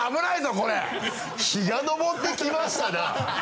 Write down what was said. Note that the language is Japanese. これ「日が昇ってきましたなぁ」？